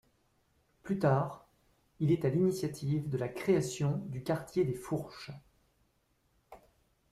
Plus tard, il est à l'initiative de la création du quartier des Fourches.